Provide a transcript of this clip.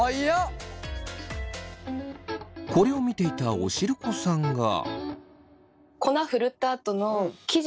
これを見ていたおしるこさんが。